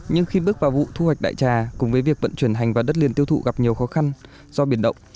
nhưng khi bước vào vụ thu hoạch đại trà cùng với việc vận chuyển hành vào đất liền tiêu thụ gặp nhiều khó khăn do biển động